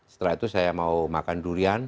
setelah itu saya mau makan durian